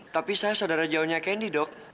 tapi saya saudara jauhnya kendi dok